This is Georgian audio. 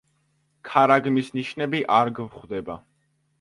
ქარაგმის ნიშნები არ გვხვდება.